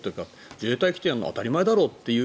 自衛隊が来ているのは当たり前だろうっていう。